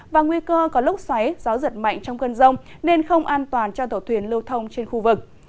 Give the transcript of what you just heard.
và nguy cơ có lúc xoáy gió giật mạnh trong cơn rông nên không an toàn cho tổ thuyền lưu thông trên khu vực